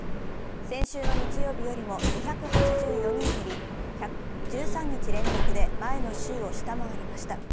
先週の日曜日よりも２８４人減り、１３日連続で前の週を下回りました。